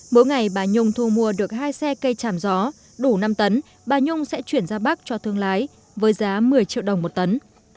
mỗi ngày bà nhung thu mua được hai xe cây tràm gió đủ năm tấn bà nhung sẽ chuyển ra bắc cho thương lái với giá một mươi triệu đồng một tấn